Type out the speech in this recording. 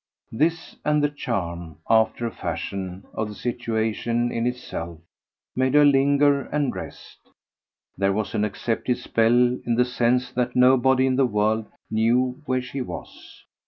This and the charm, after a fashion, of the situation in itself made her linger and rest; there was an accepted spell in the sense that nobody in the world knew where she was.